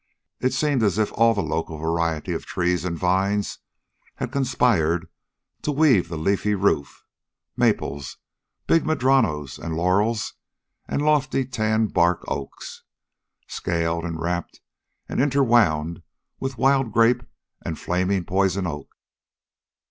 It seemed as if all local varieties of trees and vines had conspired to weave the leafy roof maples, big madronos and laurels, and lofty tan bark oaks, scaled and wrapped and interwound with wild grape and flaming poison oak.